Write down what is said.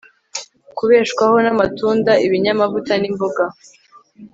kubeshwaho namatunda ibinyamavuta nimboga